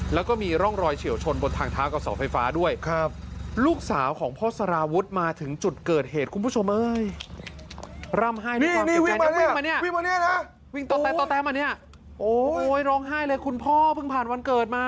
และมีร่องรอยเฉียวชนบนทางท้าเก้าเสาไฟฟ้าด้วย